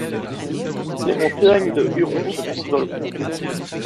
Les montagnes de Huron se trouvent dans le comté.